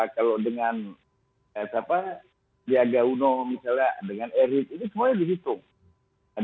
kalau dengan siapa ya gauno misalnya dengan erick itu semuanya dihitung